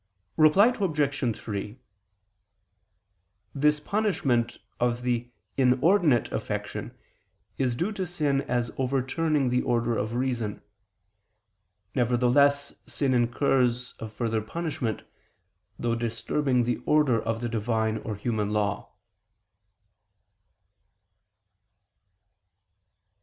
Reply Obj. 3: This punishment of the inordinate affection is due to sin as overturning the order of reason. Nevertheless sin incurs a further punishment, through disturbing the order of the Divine or human law.